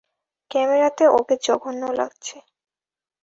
ক্যামেরাতে ওকে জঘন্য লাগছে।